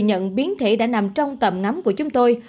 khi thừa nhận biến thể đã nằm trong tầm ngắm của chúng tôi